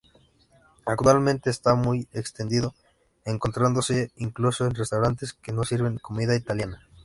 Actualmente está muy extendido, encontrándose incluso en restaurantes que no sirven comida italiana.